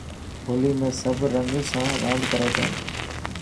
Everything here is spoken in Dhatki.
هولي ۾ سڀ رنگ سان راند ڪري ٿا.